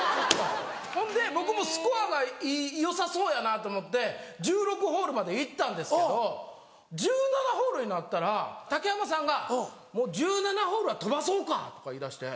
ほんで僕もスコアがよさそうやなと思って１６ホールまで行ったんですけど１７ホールになったら竹山さんが「１７ホールは飛ばそうか」とか言いだして。